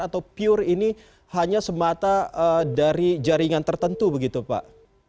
atau pure ini hanya semata dari jaringan tertentu begitu pak